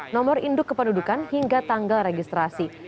nomor induk kependudukan hingga tanggal registrasi